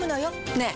ねえ。